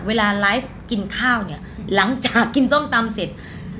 เวลาไลฟ์กินข้าวเนี่ยหลังจากกินส้มตำเสร็จ